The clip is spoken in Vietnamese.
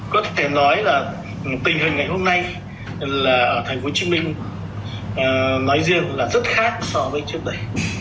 vì vậy tôi nhớ nói là tình hình ngày hôm nay ở tp hcm nói riêng là rất khác so với trước đây